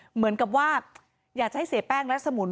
เหมือนกับว่าอยากจะให้เสียแป้งและสมุน